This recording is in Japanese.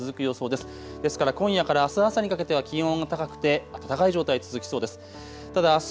ですから今夜からあす朝にかけては気温が高くて暖かい状態続きそうです。